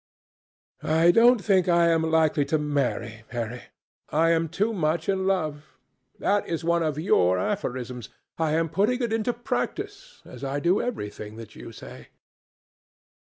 "I don't think I am likely to marry, Harry. I am too much in love. That is one of your aphorisms. I am putting it into practice, as I do everything that you say."